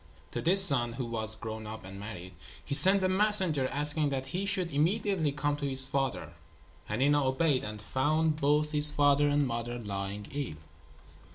To this son, who was grown up and married, he sent a messenger asking that he should immediately come to his father. Hanina obeyed, and found both his father and mother lying ill.